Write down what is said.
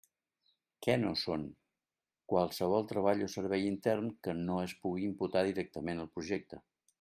Què no són: qualsevol treball o servei intern que no es pugui imputar directament al projecte.